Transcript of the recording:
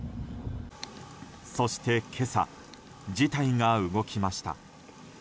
そして今朝、事態が動きました。